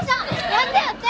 やってやって！